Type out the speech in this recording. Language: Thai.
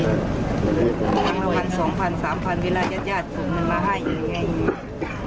ส่วนมาคัน๒๐๐๐๓๐๐๐บิฤติญาณยัดผมมันมาให้อยู่ไง